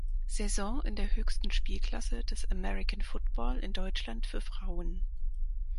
Saison in der höchsten Spielklasse des American Football in Deutschland für Frauen.